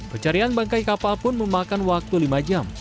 pencarian bangkai kapal pun memakan waktu lima jam